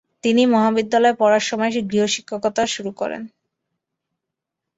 তিনি মহাবিদ্যালয়ে পড়ার সময়ে গৃহশিক্ষকতার শুরু করেন।